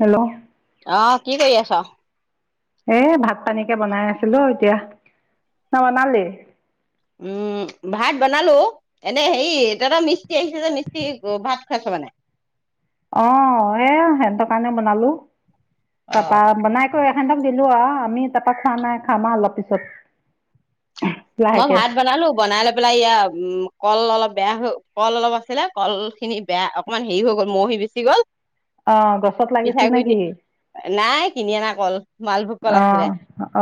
Hello? অ'! কি কৰি আছ? এ, ভাত পানীকে বনাই আছিলোঁ এতিয়া। তই বনালি? উম, ভাত বনালো। এনে, হেৰি তহঁতৰ মিস্ত্ৰী আহিছে যে, মিস্ত্ৰী ভাত খোৱাইছ মানে। [inaudible] অ'! এয়া, সিহঁতৰ কাৰণে বনালো। অ তাৰাপা, বনাই কৈ এহেতক দি দিছোঁ আও। আমি তাৰপা খোৱা নাই। খাম অলপ পিছত। মই লাহেকে ভাত বনালো, বনাই লৈ পেলাই ইয়া উম! কল অলপ বেয়া হৈ, কল অলপ আছিলে কল খিনি বেয়া অকমান হেৰি হৈ গুচি গল মহি বেচি গ'ল। অ'! গছত লাগিছিল পিঠাগুৰি দি, নেকি নাই কিনি অনা কল, মালভোগ কল অ আছিলে।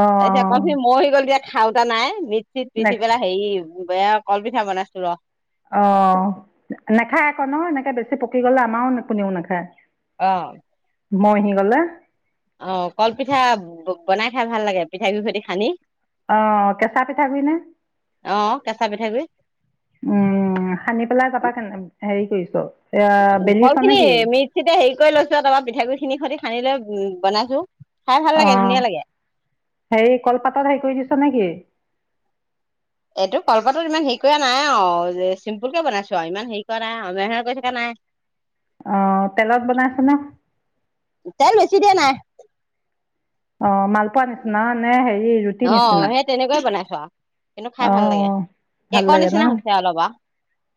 অ এতিয়া, কলখিনি মৰহি গ'ল। এতিয়া খাওঁতা নাই নি নে পিচি পেলাই হেৰি বেয়া কল পিঠা বনাইছো ৰ'। অ'! নেখায় আকৌ ন'? এনেকে বেছি পকি গ'লে আমাৰো কোনেও নাখায়। অ'! মৰহি গ'লে অ কল পিঠা বনাই খাই ভাল লাগে পিঠাগুৰি হৈয়তে হানি অ কেঁচা পিঠাগুৰি নে অ কেঁচা পিঠাগুৰি উম সানি পেলাই তাপা হেৰি কৰিছো কল খিনি মিক্সিতে হেৰি কৰি লৈছো আৰু টাৰপা পিঠাগুৰি খিনি সৈতে সানি লৈ উম বনাইছো খাই ভাল অ লাগে ধুনীয়া লাগে। হেৰি কলপাতত হেৰি কৰি দিছ নেকি? এইটো কলপাতটোত ইমান হেৰি কৰা নাই আৰু চিম্পুলক বনাইছো আৰু ইমান হেৰি কৰা নাই অমে কৈ থাককা নাই আহ তেলত বনাইছ নে তেল বেছি [unintelligible] অ মালপোৱা নিচিনা নে হেৰি। ৰুটি আহ নিচিনা সেই তেনেকৈয়ে বনাইছো আৰু কিন্তু খাই ভাল লাগে অঁ ভাল কেকৰ লাগে ন নিচিনা হৈছে অলপ আও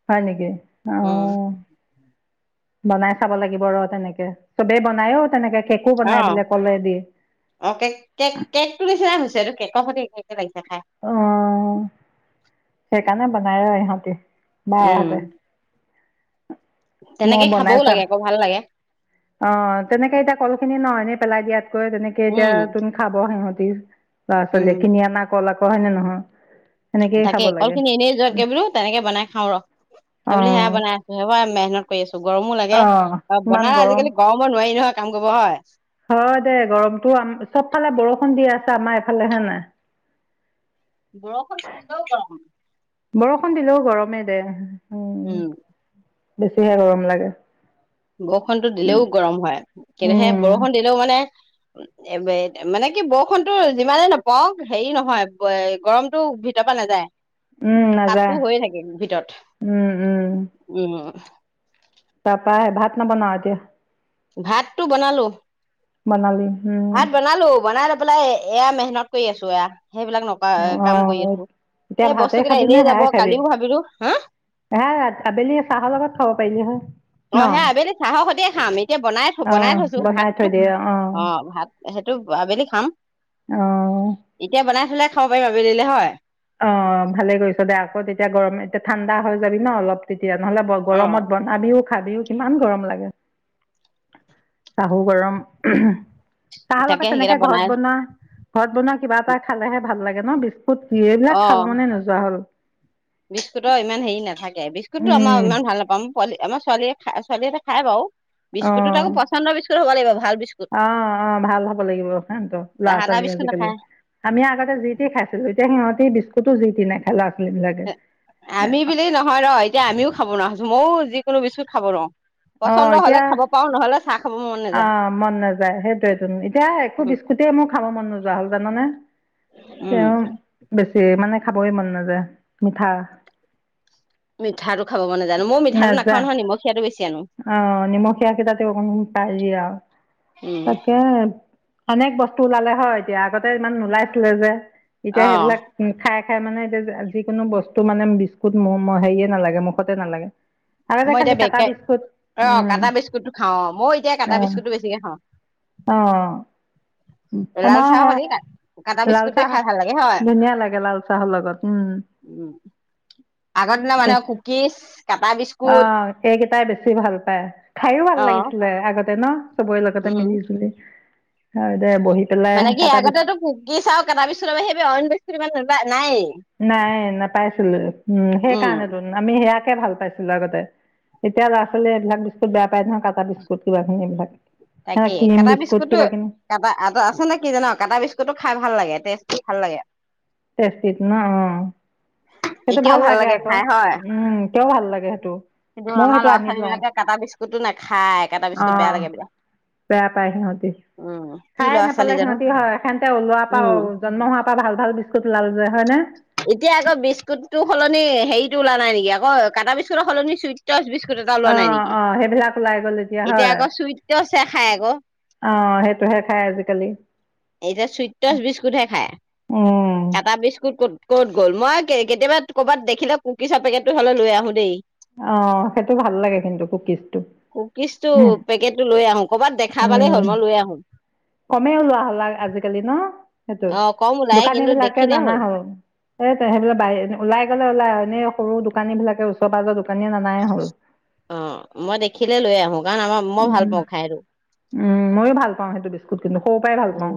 হয় নেকি অ বনাই চাব লাগিব ৰ তেনেকে চবেই বনায়ও তেনেকে কেকো অ বনাই বোলে কলে দি। অ কে কেক কেকটো নিচিনা হৈছে এইটো কেকৰ সৈতে একে লাগিছে খাই অ সেকানে বনায় আৰু ইহঁতি। বাই উম। হতে তেনেকে খাবও লাগে ক ভাল লাগে। অ তেনেকে এতিয়া কল খিনি নহয় এনে পেলাই দিয়াতকৈ তেনেকে এতিয়া উম তুমি খাব সিহঁত ল'ৰা উম ছোৱালীখিনি আনা কল আক হয় নে নহয়। সেনেকেই খাব তাকে কল খিনি এনেই লাগে যুৱাতকে বোলো তেনেকে বনাই খাওঁ ৰ। সেইবুলি সেয়াই অ', বনাই আছো, সেই মেহনত কৰি আছো গৰমো লাগে অ', আৰু ইমান বনালে গৰম। আজিকালি গৰমত নোৱাৰি নহয়। কাম কৰিব হয়। হয় দে গৰমতটো আম চব ফালে বৰষুণ দি আছে আমাৰ ইফালে হে নাই। বৰষুন দিলেও গৰম। বৰষুণ দিলেও গৰমে দে। উম বেছিহে গৰম লাগে। বৰষুণতো উম, দিলেও গৰম হয়, কেলে হে উম, বৰষুণ দিলেও মানে মানে কি বৰষুণতটো যিমানেই নপওক হেৰি নহয় গৰমতটো ভিতৰত ইয়াৰ পা নাযায়, উম, নাযায় তাততো হৈয়ে থাকে ভিতৰত, উম, উম। উম উম উ নৱনাও এতিয়া। ভাতটো বনালো বনালি উম, ভাত বনালো বনাই লৈ পেলাই এ এয়া মেহনত কৰি আছো এয়া। সেইবিলাক নকা কাম কৰি অ'। আছো এতিয়া সেই ভাতে বস্তু কেইটা এনেই যাব কালিও ভাবিলো হা হে আবেলি চাহৰ লগত খাব পাৰিলি হয়। ন অ সেয়া আবেলি চাহৰ সৈতে খাম, এতিয়া বনাই থ বনাই অ', থৈছো বনাই ভাত থৈ তোক। দিয়ে অ ভাত সেইটো আবেলি খাম অ'। এতিয়া বনাই থলেই খাব পাৰিম আবেলিলে হয়। অ ভালে কৰিছ দে, আকৌ তেতিয়া গৰম এতিয়া ঠাণ্ডা হৈ যাদি ন অলপ তেতিয়া নহ'লে অ গৰমত বন আমিও খাবিও কিমান গৰম লাগে চাহ হু গৰম চাহ তাকে লগত সেইকেইটা তেনেকে ঘৰত বনাই বনোৱা ঘৰত বনোৱা কিবা এটা খালেহে ভাল লাগে ন বিস্কুট কি এইবিলাক অ খাব মনে নোযোৱা হ'ল বিস্কুতৰ ইমান হেৰি নাথাকে বিস্কুত বিস্কুটো আমাৰ ইমান ভাল নাপাও, আমাৰ ছোৱালীয়ে খ ছোৱালীয়ে এটা খাই বাৰু বিস্কুট তাকো পচন্দৰ বিু হব লাগিব ভাল বিস্কুট অ অ ভাল হব লাগিব সিহতো ল'ৰা জাহা তাহা ছোৱালী বিস্কুট আজিকালি নাখায় আমি আগতে যি তি খাইছিলো, এতিয়া সিহঁতি বিস্কুতো যি তি নাখায় লৰা ছোৱালীবিলাকে আমি বিলি নহয় ন এতিয়া আমিও খাব নোৱাও হৈছোঁ মইও যিকোনো বিস্কুত খাব নুৱাও। অঁ পচন্দ হলে এতিয়া খাব পাৰো। নহলে চাহ খাব মন অ নাযায় মন নাযায়, সেইটোৱেটো। এতিয়া একো বিস্কুটে মোৰ খাব মন নোযোৱা হ'ল জাননে। উম তেওঁ বেছি মানে খাবই মন নাযায়। মিঠা মিঠাটো খাব মন নাযায়, মই ও মিঠা নাখাওঁ নহয় নিমখিয়াটো বেছি আনো। অহ নিমখীয়া কেইটাতে অকন পাৰি আও। উম তাকে অনেক বস্তু ওলালে হয় এতিয়া। আগতে ইমান নোলাইছিলে যে। এতিয়া অ' সেইবিলাক খাই খাই মানে এতিয়া যিকোনো বস্তু মানে বিস্কুত হেৰিয়ে নালাগে মুখতে নালাগে। আগতে মই এতিয়া খালি কাতা বেকাই বিস্কুট, অ' উম। কাটা বিস্কুটটো খাওঁ অ' মই এতিয়া কাটা অহ, বিস্কুটটো বেছিকে খাওঁ অহ। লাল আমাৰ চাহৰ সে সৈতে কাটা লাল বিস্কুটে চাহ খাই ভাল লাগে হয় ধুনীয়া লাগে, লাল চাহৰ লগত। উম। উম, আগৰ দিনৰ মানুহে কুকিছ অ এইকেইটাই বেছি ভাল পায়, খাইও ভাল অ' লাগিছিলে আগতে ন। চবৰে লগতে উম মিলিছিলে। আ মানে কি আগতেটো কোকিছ আও কাটা বিস্কুতৰ বাহিৰে অইন বস্তু ইমান নায়েই নাই নাপাইছিলোৱে। উম উম সেইকাৰণেটো, আমি সেয়া তাকে ভাল পাইছিলো আগতে। এতিয়া ল'ৰা ছোৱালীয়ে এইবিলাক বিস্কুট বেয়া পাই নহয়, কাটা বিস্কুট কিবা খিনি এইবিলাক। তাকেই ক্ৰীম কাটা বিস্কুট বিস্কুতো কিবা কিনি কটা আত আছে নে কি জান কাটা বিস্কুতটো খাই ভাল লাগে টেষ্টি ভাল লাগে। তেষ্টিত ন, অঁ। [inaudible] সেইটো ভাল লাগে আকৌ। উম, কিয় ভাল লাগে সেইটো? কিন্তু ময়ো আমাৰ সেইটো ল'ৰা আনি ছোৱালী লওঁ বিলাকে কাটা বিস্কুতটো নাখায়। কাটা অ বিস্কুট বেয়া লাগে বোলে। বেয়া পাই সিহঁতি। উম কি খাই ল'ৰা ছোৱালী নাপালে জানো সিঁহতি হয়। সেন্তে ও লোৱাৰ পৰা, উম জন্ম হোৱাৰ পৰা ভাল ভাল বিছ [unintelligible] হয়নে? এতিয়া আকৌ বিস্কুতটো সলনি হেৰিটো ওলোৱা নাই নেকি? কাটা বিস্কুইটৰ সলনি ছুইট টচ বিস্কু এটা লোৱা অ নাই নেকি? অ সেইবিলাক ওলাই গ'ল এতিয়া হয় আকৌ চুইট টচ হে খাই আকৌ। অ সেইটোহে খাই আজিকালি। এতিয়া চুইট টচ বিস্কুটহে খায়। উম কাটা বিস্কুট কত ক'ত গ'ল? মই কেতিয়াবা ক'বাত দেখিলে কুকিছৰ পেকেটটো হ'লে লৈ আহো দেই। অ সেইটো ভাল লাগে কিন্তু কুকিছটো। কুকিছটো পেকেটটো লৈ আহো। কবাত দেখা পালেই হ'ল, মই লৈ আহো। কমে ওলোৱা হ'ল আজিকালি ন? সেইটো। অ কম ওলাই দোকানী কিন্তু বিলাকে দেখিলে নানা হল। এ সেইবিলাক ব ওলাই গ' ওল এনে সৰু দোকানী বিলাকে ওচৰ পাজৰ দোকান অ মই দেখিলে লৈ আহো। কাৰণ আমাৰ মই ভাল উম পাওঁ খাই এইটো। উম ময়ো ভাল পাওঁ সেইটো বিস্কুট কিন্তু। সৰু পৰাই ভাল পাওঁ।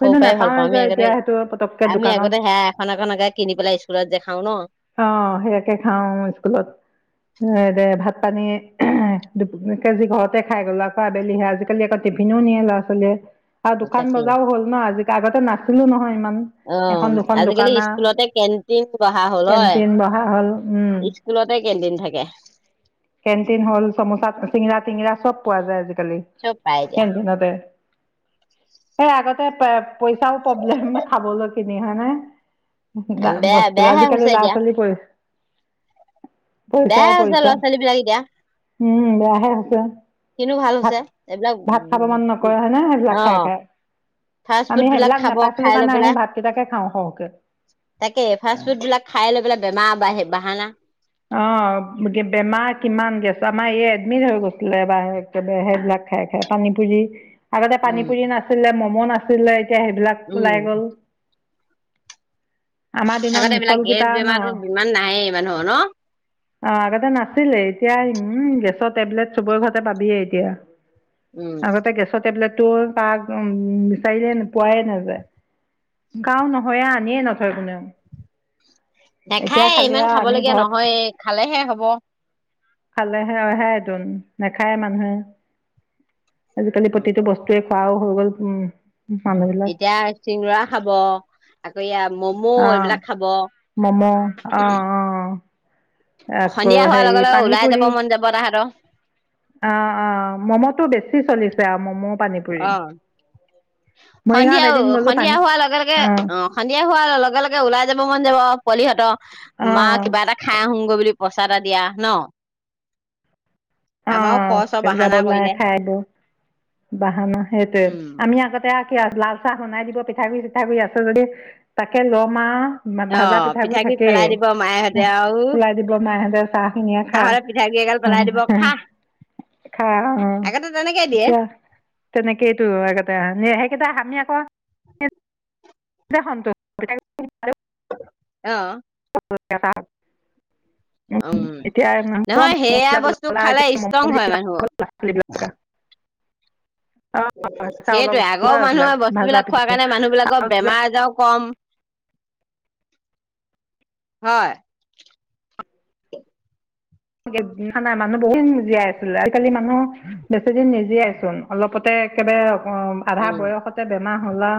খৰু কিন্তু পাই ভাল নাপাওঁৱে পাওঁ। যে আমি আগতে এতিয়া সেইটো পতককে আমি দোকানত আগতে হেয়া এখন এখন আগে কিনি পেলাই স্কুলত যে খাওঁ ন। অঁ সেয়াকে খাওঁ স্কুলত। দে ভাত পানী এ আজি ঘৰতে খাই গ'ল আকৌ আবেলি আজিকালি আকৌ টিফিনো নিয়ে ল'ৰা ছোৱালীয়ে। আৰু দোকান তাকে বজাৰো হ'ল ন আজি। আগতে নাছিলো নহয় ইমান। এখন অ', দুখন আজিকালি দোকান আও। স্কুলতে কেন্টিন বহা হ'ল হয়। কেনটিন বহা হ'ল, উম। স্কুলতে কেন্টিন থাকে কেনটিন হল, চমোচা, চিঙৰা-টিঙৰা চব পোৱা যায় আজি কি চব পাই এতিয়া কেণ্টিনতে। এই আগতে প পইচাও প্ৰব্লেম খাবলৈ কিনি। হয় নে? বা বেয়া বস্তু বেয়াহে আজিকালি হৈছে ল'ৰা এতিয়া ছোৱালী পৰি পইচাওঁ, বেয়াহে হৈছে ল'ৰা পইচাঁ। ছোৱালী বিলাক এতিয়া উম বেয়াহে হৈছে। কিন্তু ভাল হৈছে এইবিলাক ভাত-ভাত খাব মন নকৰে, হয়নে? সেইবিলাক খাই অ', খাই। ফাষ্ট আমি ফুড বিলাক সেইবিলাক খাব নেপাইছিলো খাই লৈ কাৰণে আহি পেলাই ভাতকেইটাকে খাওঁ সৰহকে। তাকে ফাষ্ট ফুড বিলাক খাই লৈ পেলাই বেমাৰ বাঢ়ে বাহানা। অ' [inaudible] বেমাৰ কিমান গেছ আমাৰ এই এডমিট হৈ গৈছিলে বা সেইবিলাক খাই খাই পানী পুৰি আগতে পানী উম, পুৰি নাছিলে মমো নাছিলে। এতিয়া সেইবিলাক উম, ওলাই গল আমাৰ দিনত আকতে [inaudible] মিছল এইবিলাক গেছ কেইটা ন বেমাৰো ইমান নাহেই মানুহৰ ন অ' আগতে নাছিলে এতিয়া উম গেছৰ টেবলেট চবৰে ঘৰতে পাবিয়েই এতিয়া। উম, আগতে গেছৰ টেবলেটটো তাক উ বিচাৰিলে পোৱাই নাযায়। গাও নহয়ে আনিয়ে নথয় কোনেও। এতিয়া নেখায় খালি ইমান আৰু আমি খাবলগীয়া ঘৰত নহয় খালেহে হ'ব। খালেহে অহেদোন নাখায় মানুহে। আজিকালি প্ৰতিটো বস্তুৱে খোৱাওঁ হৈ গ'ল। উম এতিয়া চিঙৰা খাব আকৌ মম' অঁ এইবিলাক খাব। ম'ম' অঁ অঁ আকৌ সন্ধিয়া হোৱাৰ হেৰি লগে লগে ওলাই যাব মন যাব তাহাতৰ অ'অ' ম'ম'তো বেছি চলিছে আৰু ম'ম' পানী পুৰি। মৰিগাঁৱত সন্ধিয়াও এদিন গ'লো সন্ধিয়া পানী হোৱাৰ লগে লগে অঁ অ' সন্ধিয়া হোৱাৰ লগে লগে লগে ওলাই যাব মন যাব। পোৱালিবোৰৰ মা অঁ কিবা এটা খাই আহোগৈ বুলি প চাৰা দিয়া ন আমাৰো অ' খৰচৰ বাহানা যাবওলাই কৰিলে খাই আব বাহানা সেইটোৱে উম আমি আগতে আছ। লাল চাহ সুনাই দিব পিঠাগুৰি চিঠাগুৰি আছো যদি তাকে লমা অ ভাজা পিঠাগুৰি থাকেই পেলাই দিব মায়েহঁতে আৰু ওলাই দিব। মাহহেঁতে চাহ খুনিয়ে খা এইগাল পেলাই দিব খা খা আগতে তেনেকে দিয়ে এতিয়া তেনেকেইতো আ সেইকেইটা আমি আকৌ দে সন অ' টা উম নহয় সেয়া বস্তু খালে ষ্ট্ৰং হয় মানুহ। এইবিলাক সেইটয়ে বস্তু আগৰ হয় এইবিলাক মানুহৰ ভাজা বস্তুবিলাক খোৱা কাৰণে মানুহ বিলাকৰ পিঠা বেমাৰ আজাৰ কম হয়। খানা মানুহ বহুত জীয়াই আছিলে। আজিকালি মানুহ বেছি দিন নিজিয়েচোন অলপতে একবাৰে অ' আধা উম বয়সতে। হলা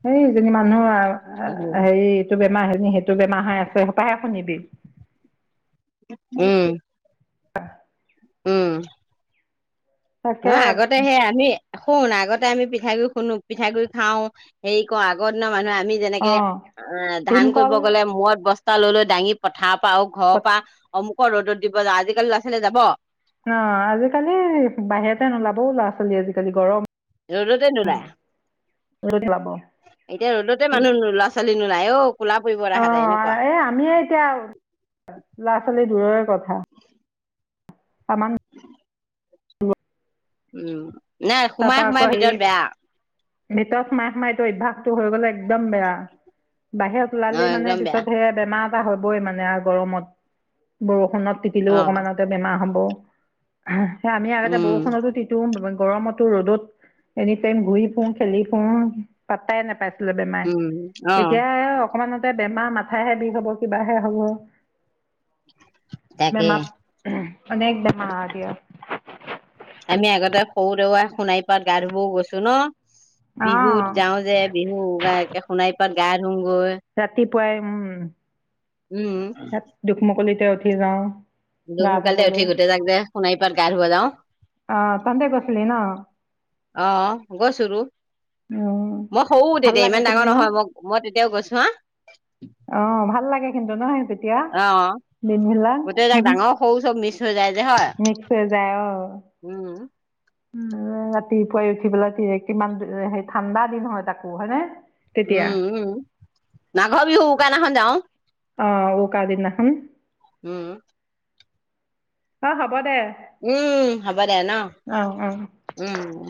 সেইজনী মানুহ উম হেৰি এইটো বে [inaudible] উম অ' উম। নহ তাকে আগতে সে আমি শুন আগতে আমি পিঠাগুৰি শুনো পিঠাগুৰি খাও হেৰি কৰ কওঁ আগৰ দিনৰ মানুহে আমি অ যেনেকে অ' ধান কৰিব ভীমকল গ'লে মূৰত বস্তা লৈ লৈ দাঙি পথাৰ পাওঁ‌ ঘৰৰ পৰা অ অমুক ৰ'দত দিব যাওঁ আজিকালি ল'ৰা ছালী যাব ন আজিকালি বাহিৰতে নোলাবও ল'ৰা ছোৱালী আজিকালি গৰম ৰ'দতে নোলায় ওলাব এতিয়া ৰ'দতে মানুহ লৰা ছোৱালী নো যাই অ' কোলা পৰিব তাহাঁতে এনেকুৱা অ' এ আমিয়ে এতিয়া ল'ৰা ছোৱালী দূৰৰে কথা। অ' উম নাই সোমাই সোমাই ভিতৰত বেয়া ভিতৰত সোমাই সোমাই অভ্যাসতটো হৈ গ'লে। একদম বেয়া বাহিৰত অ ওলালে মানে একদম বেয়া পিছত সে বেমাৰ হবই মানে আৰু গৰমত বৰষুণত তিতিলেও অ অকমানতে বেমাৰ হ'ব- স আমি আগতে উম বৰষুণতো তিতু গৰমত- ৰ'দত এনি টাইম ঘূৰি ফুঁৰো খেলি ফুৰোঁ পাতাই নোপাই- বেমাৰ উম অ এতিয়া অকমান- তাতে বেমাৰ মাথাহে বিষ হ'ব কিবাহে হ'ব- তাকে মেমক [unintelligible] আমি আগতে সৰু দৌৱা সোণাই পাৰত গা ধুবও গৈছো ন অঁ বিহুত যাওঁ যে বিহু সোণাৰ পাৰত গা ধুওঁ ৰাতিপুৱাই উম উম দুখমোকলিতে উঠি যাওঁ। দুখ গা মুকালিতে উঠি ধুবলৈ গোটেই যাক যে শোনাই পাৰত গা ধুব যাওঁ। অঁ তহঁতে গৈছিলি ন অহ গৈছো টো। উম মই সৰু ভাল তেতিয়া লাগে ইমান ডাঙৰ নহয় মই মই তেতিয়াও গৈছোঁ হা অঁ ভাল লাগে কিন্তু নহ সিঁহতে অহ গোটেই তাক ডাঙৰ সৰু চব মিছ হৈ যায় যে হয়। মিক্স উম। উ ৰাতিপুৱাই উঠি পেলাই কিমান হেই ঠাণ্ডা দিন হয় তাকো হয়নে। তেতিয়া উম উম মাঘৰ বিহু উৰুকা দিনাখন যাওঁ। অ উৰুকা দিনা খন। উম অ হব দে উম হ'ব দে ন, অ অ উম